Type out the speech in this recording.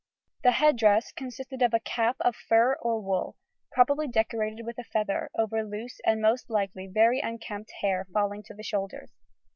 The head dress consisted of a cap of fur or wool, probably decorated with a feather, over loose and most likely very unkempt hair falling to the shoulders.